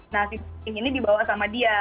nah blackpink ini dibawa sama dia